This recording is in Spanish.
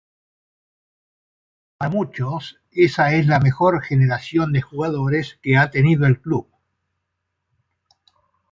Para muchos esa es la mejor generación de jugadores que ha tenido el club.